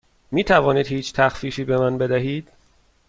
می توانید هیچ تخفیفی به من بدهید؟